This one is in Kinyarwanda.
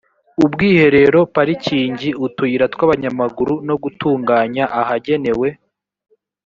ubwiherero parikingi utuyira tw abanyamaguru no gutunganya ahagenewe